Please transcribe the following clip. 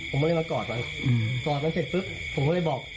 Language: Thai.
ผมก็เลยมากอดมันอืมกอดมันเสร็จปุ๊บผมก็เลยบอก